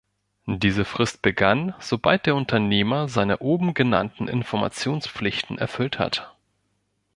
Diese Frist begann, sobald der Unternehmer seine oben genannten Informationspflichten erfüllt hat.